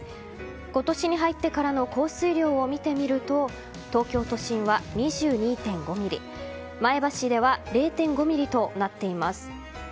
今年に入ってからの降水量を見てみると東京都心は２２．５ｍｍ前橋では０．５ｍｍとなっています。